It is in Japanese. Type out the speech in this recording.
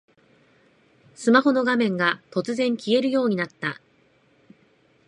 スマホの画面が突然消えるようになった